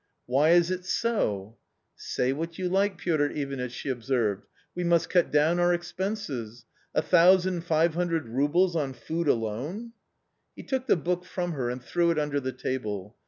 u Why is it so ?"" Say what you like, Piotr Ivanitch," she observed, " we must cut down our expenses; a thousand five hundred roubles on food alone !" He took the book from her and threw it under the table.